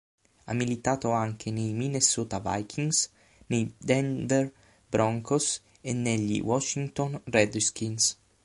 Ha militato anche nei Minnesota Vikings, nei Denver Broncos e negli Washington Redskins.